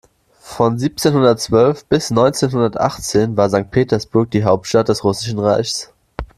Von siebzehnhundertzwölf bis neunzehnhundertachtzehn war Sankt Petersburg die Hauptstadt des Russischen Reichs.